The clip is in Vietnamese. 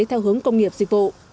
theo hướng công nghiệp dịch vụ